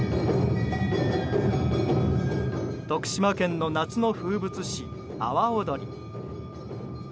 徳島県の夏の風物詩阿波おどり。